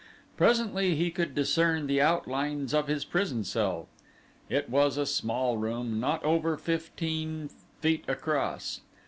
Presently he could discern the outlines of his prison cell. It was a small room, not over fifteen feet across.